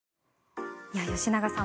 吉永さん